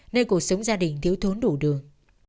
nên cuộc sống gia đình thiếu thốn đủ đường